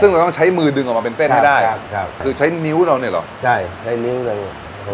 ซึ่งเราต้องใช้มือดึงออกมาเป็นเส้นให้ได้คือใช้นิ้วเราเนี่ยเหรอใช่ใช้นิ้วเลย